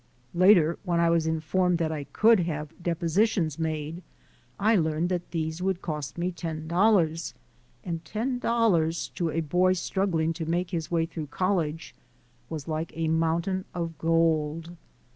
Later, when I was informed that I could have depositions made, I learned that these would cost me ten dollars, and ten dollars to a boy struggling to make his way through college was like a mountain of gold.